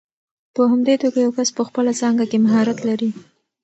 په همدې توګه یو کس په خپله څانګه کې مهارت لري.